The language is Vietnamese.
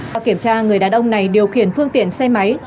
qua kiểm tra người đàn ông này điều khiển phương tiện xe máy